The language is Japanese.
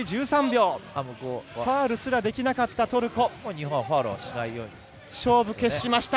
ファウルすらできなかったトルコ。